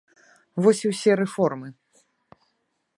Вось і ўсе рэформы!